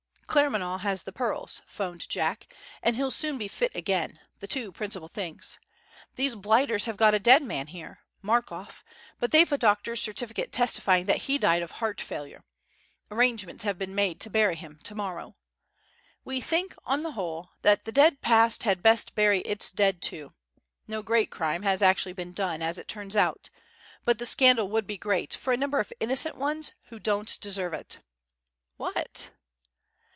"Claremanagh has the pearls," 'phoned Jack. "And he'll soon be fit again the two principal things. These blighters have got a dead man here Markoff but they've a doctor's certificate testifying that he died of heart failure. Arrangements have been made to bury him to morrow. We think, on the whole, that the dead past had best bury its dead, too! No great crime has actually been done, as it turns out. But the scandal would be great, for a number of innocent ones who don't deserve it. What?"